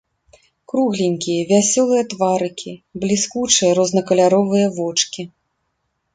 Кругленькія вясёлыя тварыкі, бліскучыя рознакаляровыя вочкі.